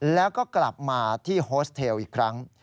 แล้วก็กลับมาที่โฮสเทลอีกครั้ง